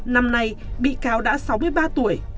năm nay bị cáo đã sáu mươi ba tuổi